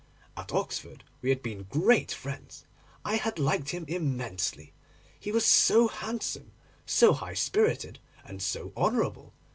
At Oxford we had been great friends. I had liked him immensely, he was so handsome, so high spirited, and so honourable.